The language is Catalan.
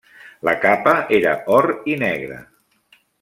La capa era or i negre.